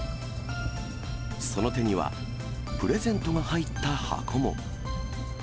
その手には、プレゼントが入った箱も。